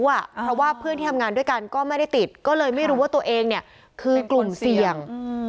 เพราะว่าเพื่อนที่ทำงานด้วยกันก็ไม่ได้ติดก็เลยไม่รู้ว่าตัวเองเนี่ยคือกลุ่มเสี่ยง